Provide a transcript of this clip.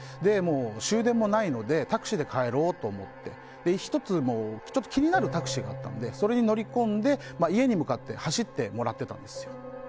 終電もないのでタクシーで帰ろうと思って１つ、ちょっと気になるタクシーがあったのでそれに乗り込んで、家に向かって走ってもらってたんです。